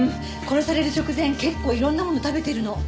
殺される直前結構いろんなもの食べてるの。